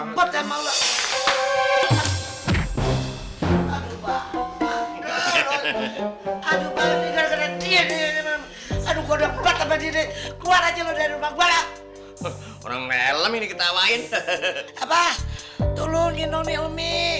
keluar aja lu dari rumah orang melem ini ketawain apa tolongin omikomi